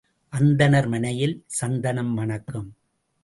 அந்தணர் மனையில் சந்தனம் மணக்கும்.